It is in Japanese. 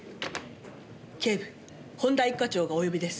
警部本多一課長がお呼びです。